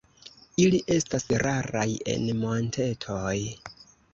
Ili estas raraj en montetoj.